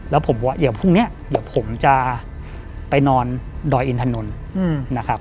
แล้วผมบอกว่าเดี๋ยวพรุ่งนี้เดี๋ยวผมจะไปนอนดอยอินถนนนะครับ